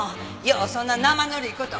ようそんな生ぬるい事。